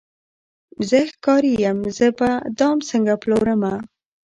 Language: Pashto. زه ښکاري یم زه به دام څنګه پلورمه